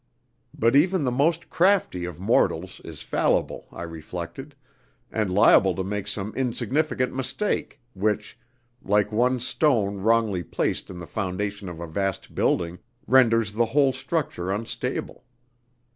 But even the most crafty of mortals is fallible, I reflected, and liable to make some insignificant mistake, which, like one stone wrongly placed in the foundation of a vast building, renders the whole structure unstable.